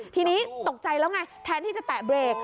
ทีนี้ตกใจแล้วไงแทนที่จะแตะเบรก